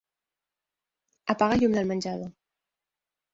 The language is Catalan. Apaga el llum del menjador.